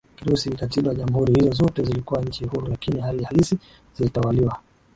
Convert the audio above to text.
Kirusi Kikatiba jamhuri hizo zote zilikuwa nchi huru lakini hali halisi zilitawaliwa